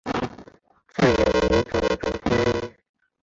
自由民主党籍。